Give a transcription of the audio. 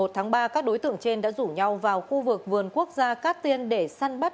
một tháng ba các đối tượng trên đã rủ nhau vào khu vực vườn quốc gia cát tiên để săn bắt